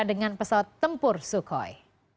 dengan pesawat tempur sukhoi